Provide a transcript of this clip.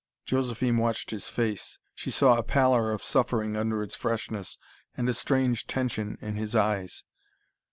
Josephine watched his face. She saw a pallor of suffering under its freshness, and a strange tension in his eyes.